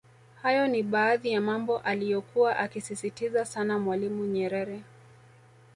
Hayo ni baadhi ya mambo aliyokua akisisitiza sana Mwalimu Nyerere